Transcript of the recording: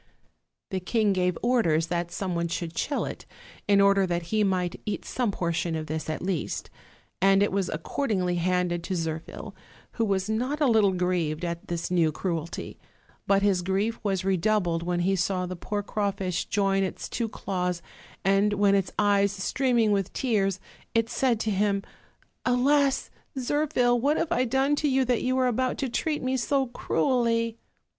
The king gave orders that some one should shell it, in order that he might eat some por tion of this, at least; and it was accordingly handed to Zirphil, who was not a little grieved at this new cruelty; but his grief was redoubled when he saw the poor craw fish join its two claws; and when, its eyes streaming with tears, it said to him: "Alas! Zirphil, what have I done to you, that you are about to treat me so cruelly?"